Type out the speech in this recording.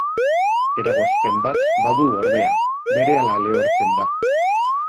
Eragozpen bat badu ordea, berehala lehortzen da.